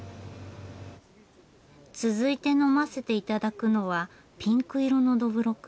続いて呑ませて頂くのはピンク色のどぶろく。